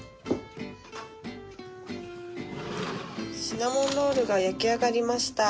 シナモンロールが焼き上がりました。